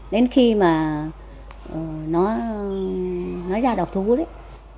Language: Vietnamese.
đến khi mà nó ra đọc thú đấy